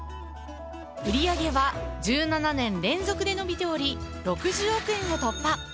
売り上げは１７年連続で伸びており６０億円を突破。